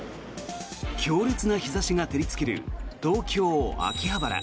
強烈な日差しが照りつける東京・秋葉原。